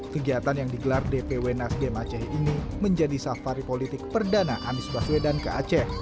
kegiatan yang digelar dpw nasdem aceh ini menjadi safari politik perdana anies baswedan ke aceh